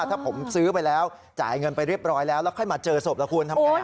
ถ้าผมซื้อไปแล้วจ่ายเงินไปเรียบร้อยแล้วแล้วค่อยมาเจอศพล่ะคุณทำไง